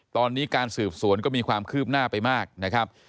ตอนนี้การสืบสวนก็มีความคืบหน้าไปมากนะครับ